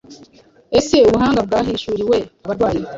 Ese ubuhanga bwahishuriwe abarwanyi